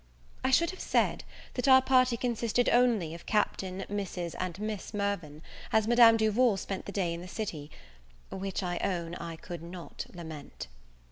I should have said, that our party consisted only of Captain, Mrs. and Miss Mirvan, as Madame Duval spent the day in the city; which I own I could not lament.